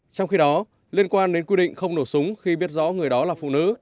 trong khi đó liên quan đến quy định không nổ súng khi biết rõ người đó là phụ nữ